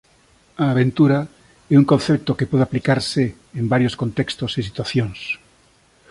A aventura é un concepto que pode aplicarse en varios contextos e situacións.